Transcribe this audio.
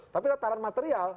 tapi tataran material